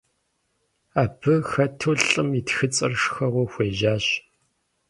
Абы хэту лӀым и тхыцӀэр шхэуэ хуежьащ.